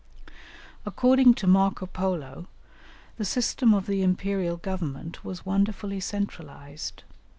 According to Marco Polo the system of the Imperial Government was wonderfully centralized.